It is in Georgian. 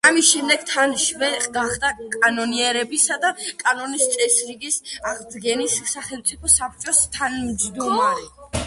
ამის შემდეგ თან შვე გახდა კანონიერებისა და კანონის წესრიგის აღდგენის სახელმწიფო საბჭოს თავმჯდომარე.